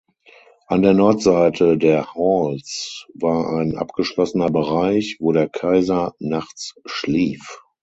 An der Nordseite der Halls war ein abgeschlossener Bereich, wo der Kaiser nachts schlief.